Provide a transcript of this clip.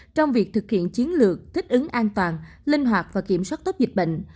trong việc thực hiện chiến lược thích ứng an toàn linh hoạt và kiểm soát tốt dịch bệnh